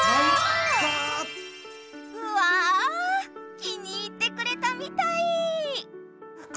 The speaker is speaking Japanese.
うわ気に入ってくれたみたい！